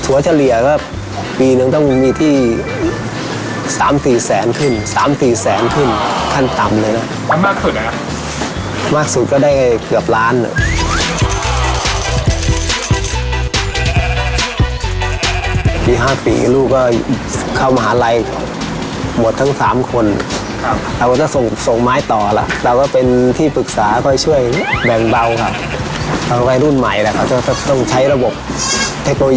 วอร์ไนท์ความสุขจากน้ำแม่พันธ์